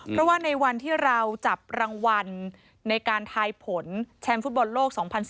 เพราะว่าในวันที่เราจับรางวัลในการทายผลแชมป์ฟุตบอลโลก๒๐๑๘